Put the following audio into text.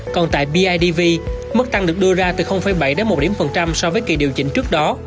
còn tại bidv mức tăng được đưa ra từ bảy đến một điểm phần trăm so với kỳ điều chỉnh trước đó